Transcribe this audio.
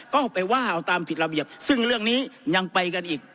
ก็ไปว่าเอาตามผิดระเบียบซึ่งเรื่องนี้ยังไปกันอีก